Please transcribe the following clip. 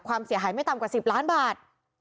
ความเสียหายไม่ต่ำกว่า๑๐ล้านบาท